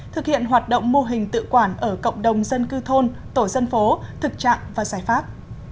thực hiện hoạt động mô hình tự quản ở cộng đồng dân cư thôn tổ dân phố thực trạng và giải pháp